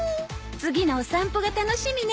次のお散歩が楽しみね